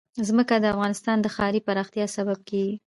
ځمکه د افغانستان د ښاري پراختیا سبب کېږي.